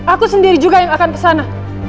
aku sendiri juga yang akan kesana